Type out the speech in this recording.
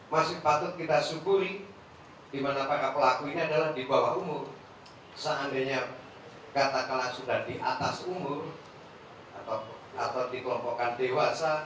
seandainya kata kata sudah di atas umur atau di kelompokan dewasa